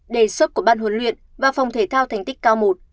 đề xuất của ban huấn luyện và phòng thể thao thành tích cao một